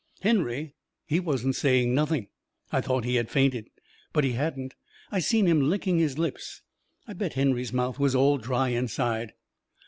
Henry, he wasn't saying nothing. I thought he had fainted. But he hadn't. I seen him licking his lips. I bet Henry's mouth was all dry inside.